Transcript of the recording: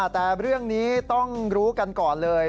แต่เรื่องนี้ต้องรู้กันก่อนเลย